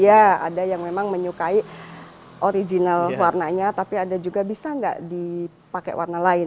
ada yang memang menyukai original warnanya tapi ada juga bisa nggak dipakai warna lain